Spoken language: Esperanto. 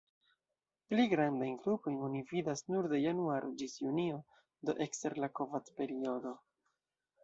Pli grandajn grupojn oni vidas nur de januaro ĝis junio, do ekster la kovad-periodo.